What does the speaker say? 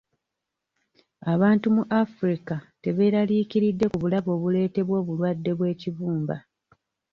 Abantu mu Africa tebeeraliikiridde ku bulabe obuleetebwa obulwadde bw'ekibumba.